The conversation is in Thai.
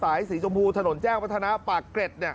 แล้วก็กลับมาปากเกร็ด